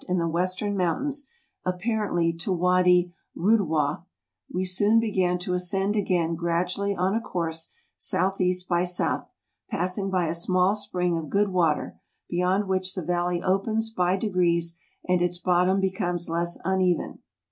219 in tlie western mountains, apparently to Wady Rudhwah, we soon began to ascend again gradually on a course S.E. by S., passing by a small spring of good water, beyond which the valley opens by degrees, and its bottom becomes less uneven.